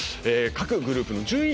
各グループの順位